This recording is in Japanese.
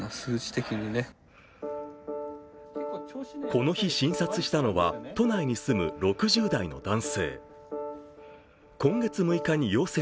この日、診察したのは都内に住む６０代の男性。